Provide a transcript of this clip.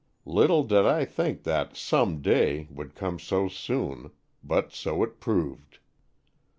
Little did I think that 'some day' would come so soon, but so it proved.